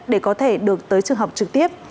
để có thể được tới trường học trực tiếp